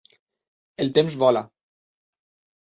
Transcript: El temps vola.